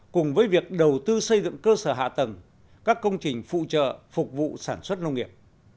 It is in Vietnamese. cùng với việc đầu tư xây dựng cơ sở hạ tầng các công trình phụ trợ phục vụ sản xuất nông nghiệp